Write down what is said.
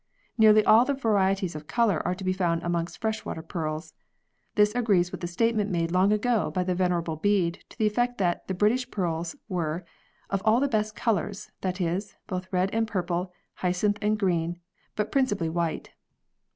Nearly all the varieties of colour are to be found amongst fresh water pearls. This agrees with the statement made long ago by the Venerable Bede to the effect that the British pearls were " of all the best colours that is, both red and purple, jacynth and green, but principally white."